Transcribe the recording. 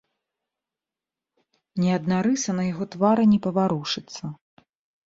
Ні адна рыса на яго твары не паварушыцца.